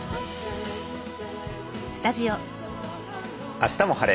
「あしたも晴れ！